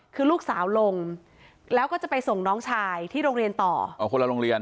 คือลูกสาวลงแล้วก็จะไปส่งน้องชายที่โรงเรียนต่อ